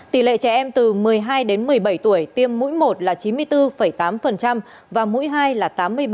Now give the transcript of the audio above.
tỷ lệ trẻ em từ một mươi hai đến một mươi bảy tuổi tiêm mũi một là chín mươi bốn tám và mũi hai là tám mươi ba